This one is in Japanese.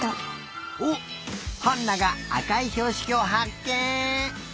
おっハンナがあかいひょうしきをはっけん！